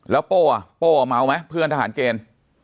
แล้วโป้อ่ะโป้เมาไหมเพื่อนทหารเกณฑ์